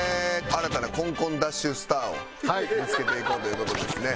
新たなコンコンダッシュスターを見付けていこうという事でですね。